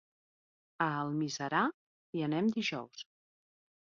A Almiserà hi anem dijous.